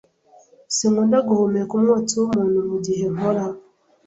Sinkunda guhumeka umwotsi wumuntu mugihe nkora.